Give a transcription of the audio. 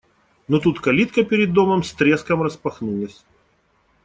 Но тут калитка перед домом с треском распахнулась.